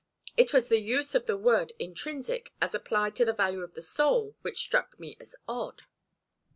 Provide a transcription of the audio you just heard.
It was the use of the word 'intrinsic' as applied to the value of the soul which struck me as odd."